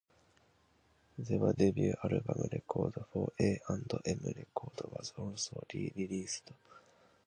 Their debut album recorded for A and M Records was also re-released.